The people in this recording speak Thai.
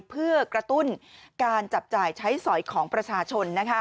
เพื่อกระตุ้นการจับจ่ายใช้สอยของประชาชน